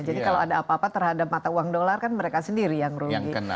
jadi kalau ada apa apa terhadap mata uang dolar kan mereka sendiri yang rugi